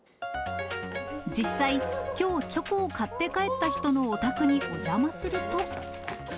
実際、きょうチョコを買って帰った人のお宅にお邪魔すると。